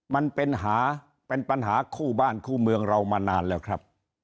มันเป็นหาเป็นปัญหาคู่บ้านคู่เมืองเรามานานแล้วครับ